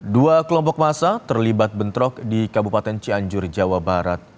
dua kelompok masa terlibat bentrok di kabupaten cianjur jawa barat